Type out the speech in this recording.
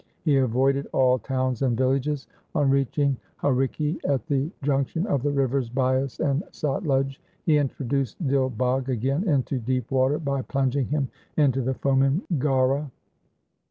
He avoided all towns and villages. On reaching Harike at the junction of the rivers Bias and Satluj, he introduced Dil Bagh again into deep water by plunging him into the foaming Ghara.